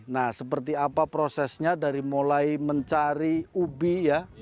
nah seperti apa prosesnya dari mulai mencari ubi ya